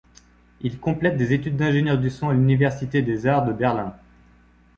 Il complète des études d'ingénieur du son à l'Université des arts de Berlin.